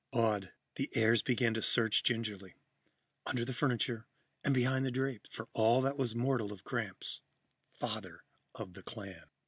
Awed, the heirs began to search gingerly, under the furniture and behind the drapes, for all that was mortal of Gramps, father of the clan.